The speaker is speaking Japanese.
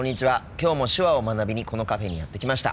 きょうも手話を学びにこのカフェにやって来ました。